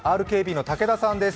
ＲＫＢの武田さんです。